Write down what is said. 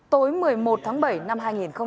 tối một mươi một tháng bảy năm hai nghìn hai mươi